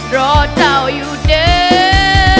รอเจ้าอยู่เด้อ